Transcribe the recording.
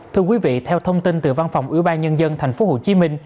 thưa quý vị theo thông tin từ văn phòng ủy ban nhân dân tp hcm